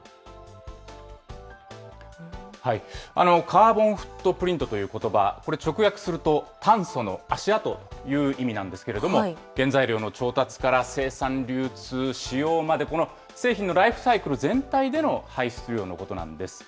カーボンフットプリントということば、これ直訳すると、炭素の足跡という意味なんですけれども、原材料の調達から生産、流通、使用まで、この製品のライフサイクル全体での排出量のことなんです。